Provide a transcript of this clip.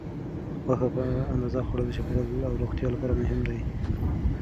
غوښه په اندازه خوړل د چاپیریال او روغتیا لپاره مهم دي.